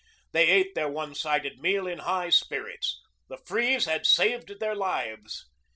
They ate their one sided meal in high spirits. The freeze had saved their lives.